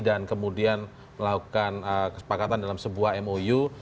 dan kemudian melakukan kesepakatan dalam sebuah mou